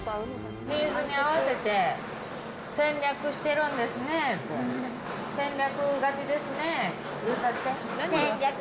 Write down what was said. ニーズに合わせて、戦略してるんですねって。